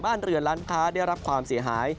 บ้านเรือนร้านค้าได้รับความเสียหาย